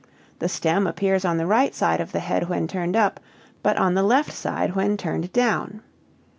The stem appears on the right side of the head when turned up, but on the left side when turned down.